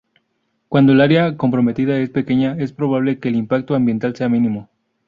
Cuando el área comprometida es pequeña, es probable que el impacto ambiental sea mínimo.